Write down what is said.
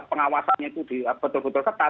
pengawasannya itu betul betul ketat